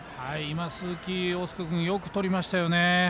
鈴木凰介君よくとりましたね。